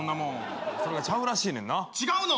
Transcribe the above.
それがちゃうらしいねんな違うの？